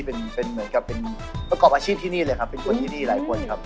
เป็นเหมือนกับเป็นประกอบอาชีพที่นี่เลยครับเป็นคนที่ดีหลายคนครับ